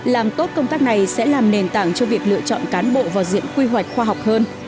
làm tốt công tác này sẽ làm nền tảng cho việc lựa chọn cán bộ vào diện quy hoạch khoa học hơn